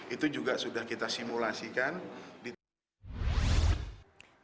itu juga sudah kita simulasikan